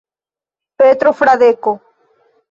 Petro Fradeko.